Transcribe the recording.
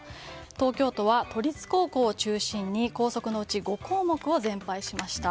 東京都は都立高校を中心に校則のうち５項目を全廃しました。